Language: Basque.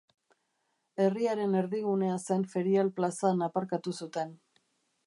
Herriaren erdigunea zen Ferial plazan aparkatu zuten.